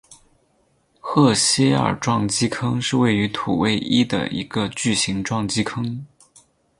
赫歇尔撞击坑是位于土卫一的一个巨型撞击坑。